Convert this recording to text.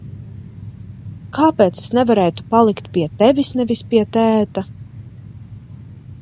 Kāpēc es nevarētu palikt pie tevis, nevis pie tēta?